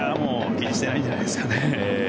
気にしてないんじゃないですかね。